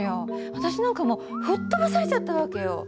私なんかもう吹っ飛ばされちゃった訳よ。